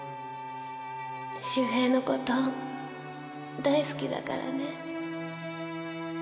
周平の事大好きだからね。